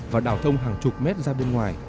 và đào thông hàng chục mét ra bên ngoài